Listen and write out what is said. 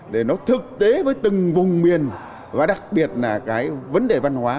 để nó thực tế với từng vùng miền và đặc biệt là cái vấn đề văn hóa